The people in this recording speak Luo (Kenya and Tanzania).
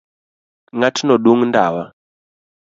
Ng'atno dung' ndawa